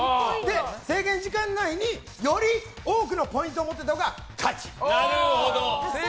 制限時間内により多くのポイントを持っていたほうが勝ち。